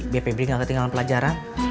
biar febri gak ketinggalan pelajaran